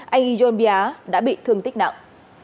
anh ijon pia đã bị thương tích nặng